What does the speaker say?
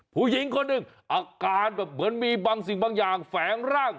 ผู้หญิงคนหนึ่งอาการแบบเหมือนมีบางสิ่งบางอย่างแฝงร่าง